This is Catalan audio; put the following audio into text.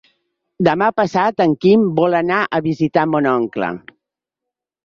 Demà passat en Quim vol anar a visitar mon oncle.